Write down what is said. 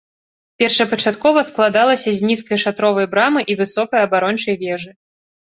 Першапачаткова складалася з нізкай шатровай брамы і высокай абарончай вежы.